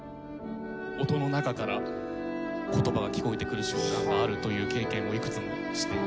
音の中から言葉が聞こえてくる瞬間があるという経験をいくつもして。